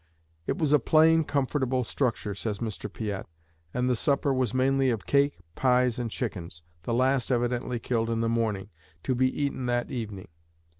"It was a plain, comfortable structure," says Mr. Piatt, "and the supper was mainly of cake, pies, and chickens, the last evidently killed in the morning, to be eaten that evening.